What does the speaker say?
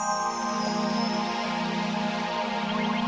tidak ada satu orang pun yang ingin pasangannya diremput